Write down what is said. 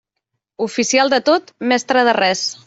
Oficial de tot, mestre de res.